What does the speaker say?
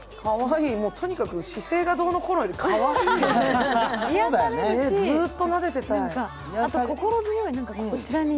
とにかく姿勢がどうのこうのより、かわいい。